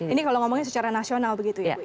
ini kalau ngomongnya secara nasional begitu ya bu ya